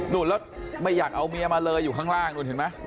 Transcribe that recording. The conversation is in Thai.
นู่นแล้วไม่อยากเอาเมียมาเลยอยู่ข้างล่างนู่นเห็นไหม